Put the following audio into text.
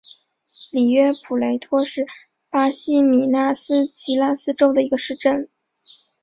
里约普雷托是巴西米纳斯吉拉斯州的一个市镇。